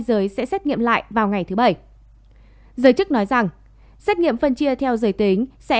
giới sẽ xét nghiệm lại vào ngày thứ bảy giới chức nói rằng xét nghiệm phân chia theo giới tính sẽ